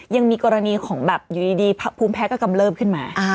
ยังมีกรณีของแบบอยู่ดีภูมิแพ้ก็กำเริบขึ้นมา